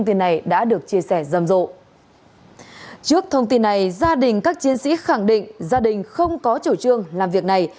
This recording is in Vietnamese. trước thông tin này gia đình các chiến sĩ khẳng định gia đình không có chủ trương làm việc này